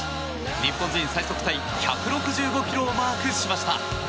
日本人最速タイ１６５キロをマークしました。